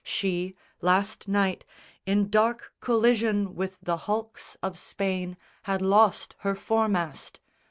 She, Last night, in dark collision with the hulks Of Spain, had lost her foremast.